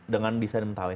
dengan desain mentawai